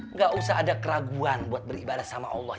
nggak usah ada keraguan buat beribadah sama allah